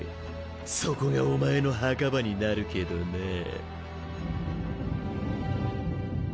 そこがお前の墓場になるけどなぁ。